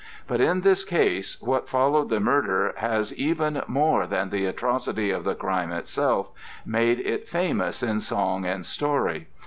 But in this case what followed the murder has, even more than the atrocity of the crime itself, made it famous in song and story.